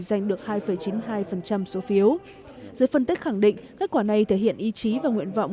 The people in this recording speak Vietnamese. giành được hai chín mươi hai số phiếu giới phân tích khẳng định kết quả này thể hiện ý chí và nguyện vọng